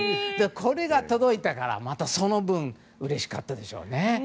これが届いたからその分うれしかったでしょうね。